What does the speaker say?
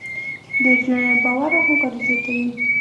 دوی د ټولنې باور او همکاري زیاتوي.